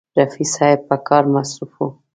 رفیع صاحب په کار مصروف و.